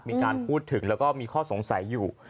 มีการพูดถึงแล้วก็มีข้อสงสัยอยู่